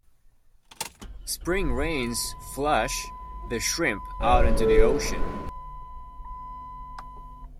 Spring rains flush the shrimp out into the ocean.